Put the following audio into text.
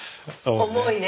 重いね。